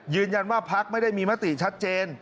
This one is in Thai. ยืนยันว่าภักดิ์ไม่ได้มีมาตรีชัดเจน